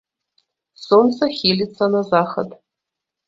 Сонца хіліцца на захад.